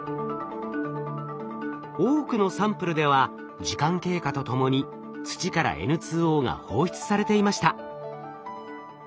多くのサンプルでは時間経過とともに土からＮＯが放出されていました。